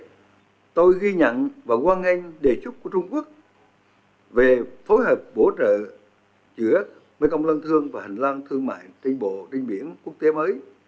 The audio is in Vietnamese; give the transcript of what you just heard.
vì vậy tôi ghi nhận và quan ngành đề chúc của trung quốc về phối hợp bổ trợ giữa mekong lân thương và hành lang thương mại tinh bộ đinh biển quốc tế mới